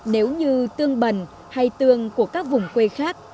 nếu như tương bần hay tương của các vùng quê khác